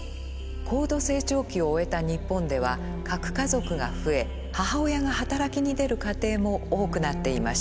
高度成長期を終えた日本では核家族が増え母親が働きに出る家庭も多くなっていました。